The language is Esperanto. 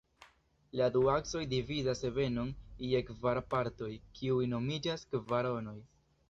La du aksoj dividas ebenon je kvar partoj, kiuj nomiĝas kvaronoj.